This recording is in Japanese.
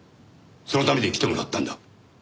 そのために来てもらったんだ。